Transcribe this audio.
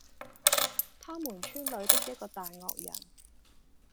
他們村裏的一個大惡人，